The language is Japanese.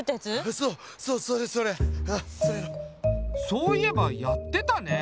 そういえばやってたね。